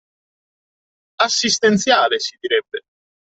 “assistenziale” si direbbe.